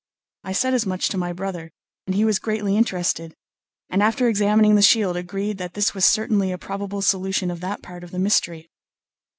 I said as much to my brother, and he was greatly interested, and after examining the shield agreed that this was certainly a probable solution of that part of the mystery.